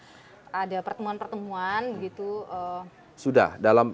jadi memang ada pertemuan pertemuan